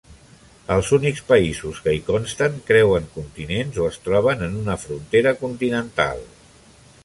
Els únics països que hi consten creuen continents o es troben en una frontera continental.